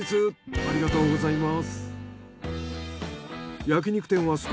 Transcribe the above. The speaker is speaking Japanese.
ありがとうございます。